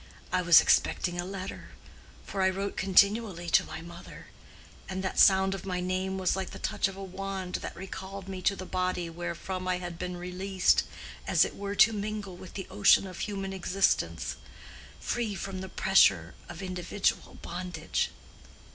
"I was expecting a letter; for I wrote continually to my mother. And that sound of my name was like the touch of a wand that recalled me to the body wherefrom I had been released as it were to mingle with the ocean of human existence, free from the pressure of individual bondage.